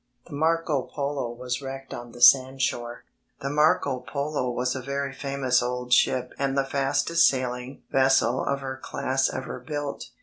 The Manopolo was wrecked on the sandshore. The Marcopob was a very famous old ship and the fastest sailing vessel of her class ever built.